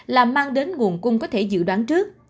là mang đến nguồn cung có thể dự đoán trước